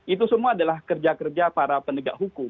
itu semua adalah kerja kerja para penegak hukum